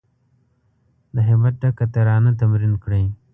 د هیبت ډکه ترانه تمرین کړی